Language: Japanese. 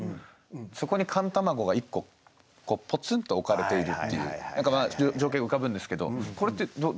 そこに寒卵が１個ポツンと置かれているっていう情景が浮かぶんですけどこれってどういう？